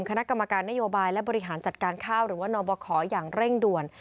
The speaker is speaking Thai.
คณะกรรมการนโยบายและบริหารจัดการข้าวหรือว่านบคอย่างเร่งด่วน